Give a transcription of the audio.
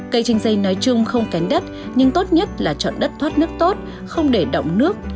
cây chanh dây nói chung không cánh đất nhưng tốt nhất là chọn đất thoát nước tốt không để đọng nước